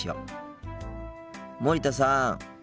森田さん。